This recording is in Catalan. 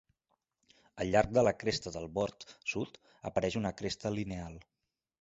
Al llarg de la cresta del bord sud apareix una cresta lineal.